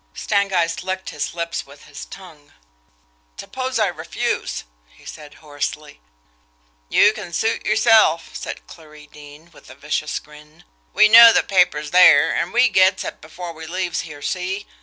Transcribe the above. Stangeist licked his lips with his tongue. "Suppose suppose I refuse?" he said hoarsely. "You can suit yerself," said Clarie Deane, with a vicious grin. "We know the paper's there, an' we gets it before we leaves here see?